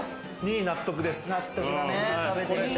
２位納得です。